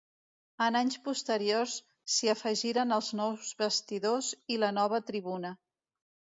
En anys posteriors s'hi afegiren els nous vestidors i una nova tribuna.